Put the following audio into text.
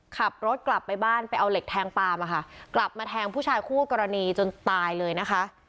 ขับรถกลับไปบ้านไปเอาเหล็กแทงปาล์มอะค่ะกลับมาแทงผู้ชายคู่กรณีจนตายเลยนะคะ